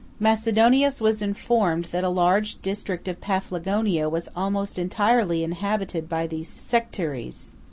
Macedonius was informed, that a large district of Paphlagonia 155 was almost entirely inhabited by those sectaries.